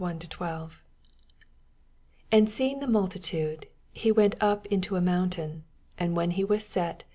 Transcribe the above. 1 And seeing the multitadeB, ho went up into a moantain : and when he was set.